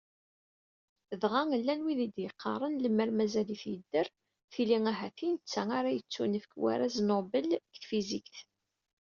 Dɣa, llan wid i d-yeqqaren lemmer mazal-it yedder, tili ahat i netta ara yettunefk warraz Nobel deg tfizikt.